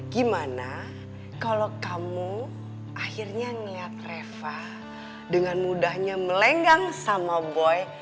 gimana kalau kamu akhirnya ngelihat reva dengan mudahnya melenggang sama boy